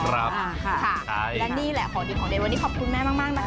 และนี่แหละของดีของเด็ดวันนี้ขอบคุณแม่มากนะคะ